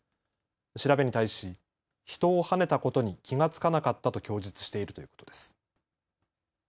調べに対し人をはねたことに気が付かなかったと供述しているということです。